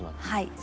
はい。